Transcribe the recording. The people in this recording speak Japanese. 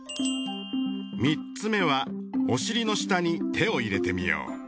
３つ目はお尻の下に手を入れてみよう。